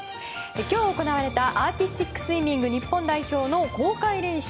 今日行われたアーティスティックスイミング日本代表の公開練習。